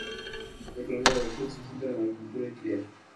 La economía de la región se centra en la agricultura y cría.